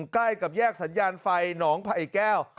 ใกล้กับแยกสัญญาณไฟหนองไผ่แก้ว